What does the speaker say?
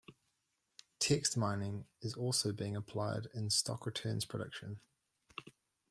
Text mining is also being applied in stock returns prediction.